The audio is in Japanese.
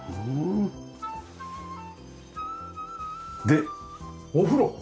でお風呂。